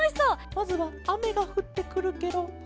まずはあめがふってくるケロ。